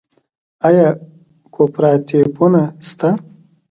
آیا کوپراتیفونه شته؟